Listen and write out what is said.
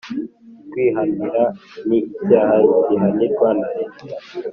Kwihanira ni icyaha gihanirwa na leta